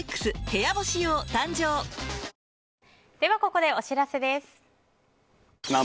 ここでお知らせです。